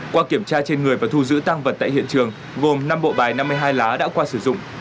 qua kiểm tra trên người và thu giữ tăng vật tại hiện trường gồm năm bộ bài năm mươi hai lá đã qua sử dụng